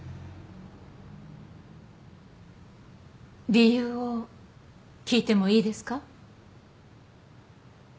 理由を聞いてもいいですか？